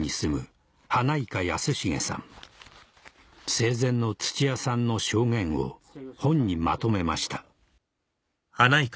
生前の土屋さんの証言を本にまとめました